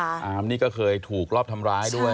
อามนี่ก็เคยถูกรอบทำร้ายด้วย